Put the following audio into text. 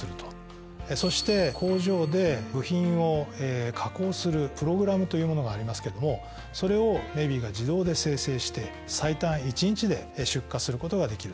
そして工場で部品を加工するプログラムというものがありますけどもそれを「ｍｅｖｉｙ」が自動で生成して最短１日で出荷することができると。